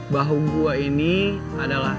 bahwa gue ini adalah